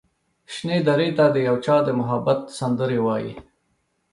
شنې درې ته د یو چا د محبت سندرې وايي